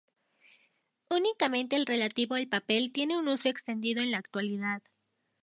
Únicamente el relativo al papel tiene un uso extendido en la actualidad.